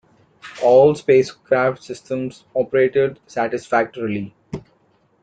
All spacecraft systems operated satisfactorily.